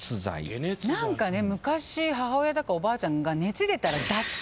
昔母親だかおばあちゃんが。